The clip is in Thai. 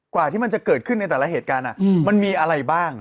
กว่าที่มันจะเกิดขึ้นในแต่ละเหตุการณ์มันมีอะไรบ้าง